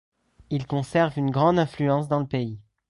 Il conserve une grande influence dans le pays.